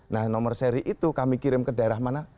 nah nomor seri itu kami kirim ke daerah mana